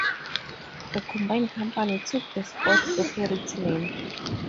The combined company took the Sports Authority name.